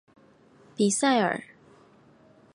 比塞尔。